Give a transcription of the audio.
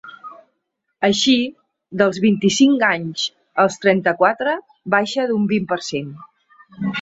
Així, dels vint-i-cinc anys als trenta-quatre, baixa d’un vint per cent.